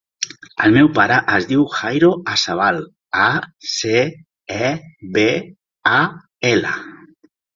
El meu pare es diu Jairo Acebal: a, ce, e, be, a, ela.